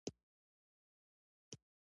که ایران ناارامه شي سیمه ناارامه کیږي.